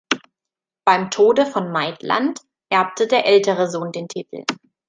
Beim Tode von Maitland erbte der ältere Sohn den Titel.